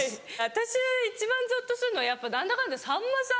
私一番ゾッとすんのはやっぱ何だかんださんまさん。